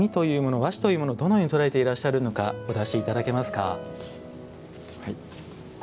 和紙というものをどのように捉えているのかお出しいただけますか。